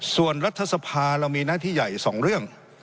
ส่วนรัฐสภาเรามีหน้าที่ใหญ่๒เรื่อง